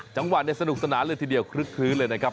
จังหวะสนุกสนานเลยทีเดียวคลึกคลื้นเลยนะครับ